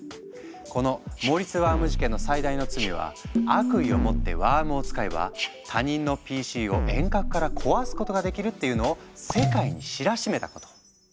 このモリスワーム事件の最大の罪は悪意を持ってワームを使えば他人のＰＣを遠隔から壊すことができるっていうのを世界に知らしめたこと。